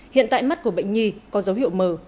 hiện tại mắt của bệnh nhi có dấu hiệu mờ